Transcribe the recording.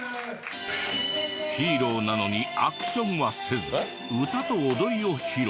ヒーローなのにアクションはせず歌と踊りを披露。